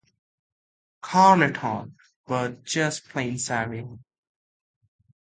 Carleton, but just plain Sammy.